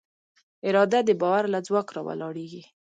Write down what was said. اراده د باور له ځواک راولاړېږي.